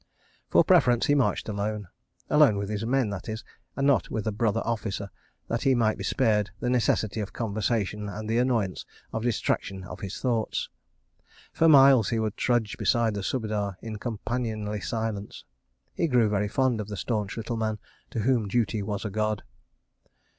For preference he marched alone, alone with his men that is, and not with a brother officer, that he might be spared the necessity of conversation and the annoyance of distraction of his thoughts. For miles he would trudge beside the Subedar in companionly silence. He grew very fond of the staunch little man to whom duty was a god.